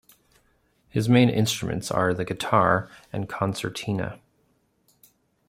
His main instruments are the guitar and concertina.